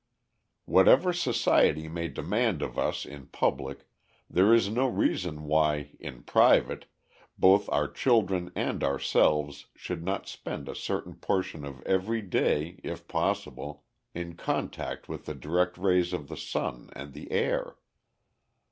Whatever society may demand of us in public, there is no reason why, in private, both our children and ourselves should not spend a certain portion of every day, if possible, in contact with the direct rays of the sun and the air.